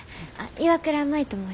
岩倉舞と申します。